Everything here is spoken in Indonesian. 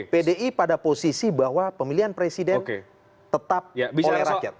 pdi pada posisi bahwa pemilihan presiden tetap oleh rakyat